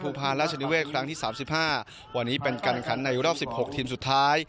พบกับจังหวัดบุริลำที่นำโดยดำรงภูสมนึกอดิตนักเตะของราชนาวีในเสื้อสีฟ้า